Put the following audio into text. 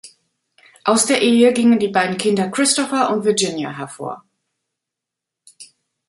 Aus der Ehe gingen die beiden Kinder Christopher und Virginia hervor.